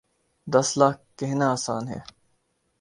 دس لاکھ کہنا آسان ہے۔